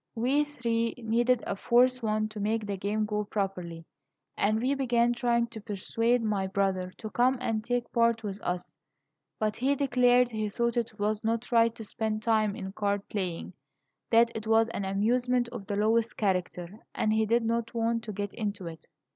We three needed a fourth one to make the game go properly, and we began trying to persuade my brother to come and take part with us; but he declared he thought it was not right to spend time in card playing that it was an amusement of the lowest character, and he did not want to get into it.